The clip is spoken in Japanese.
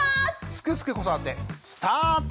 「すくすく子育て」スタート。